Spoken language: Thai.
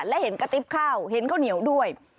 และเห็นกระติ๊บข้าวเห็นข้าวเหนียวด้วย